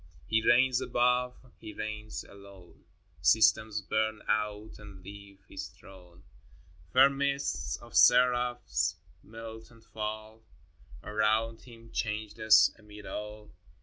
XVII. He reigns above, He reigns alone: Systems burn out and leave His throne : Fair mists of seraphs melt and fall Around Him, changeless amid all!